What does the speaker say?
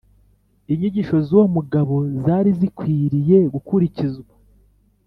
inyigisho z’uwo mugabo zari zikwiriye gukurikizwa